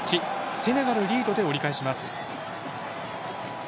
セネガルリードで折り返します。